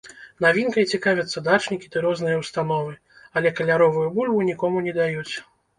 Навінкай цікавяцца дачнікі ды розныя ўстановы, але каляровую бульбу нікому не даюць.